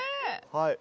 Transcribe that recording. はい。